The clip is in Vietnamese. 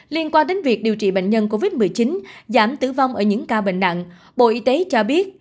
liên quan đến việc điều trị bệnh nhân covid một mươi chín